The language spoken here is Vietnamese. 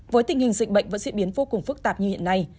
với tình hình dịch bệnh vẫn diễn biến vô cùng phức tạp như hiện nay